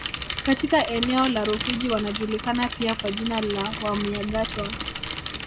Katika eneo la Rufiji wanajulikana pia kwa jina la Wamyagatwa